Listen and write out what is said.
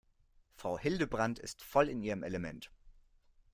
Frau Hildebrand ist voll in ihrem Element.